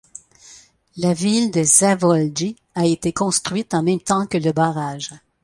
La ville de Zavoljie a été construite en même temps que le barrage.